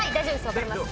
分かります。